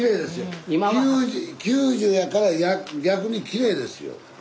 ９０やから逆にきれいですよ。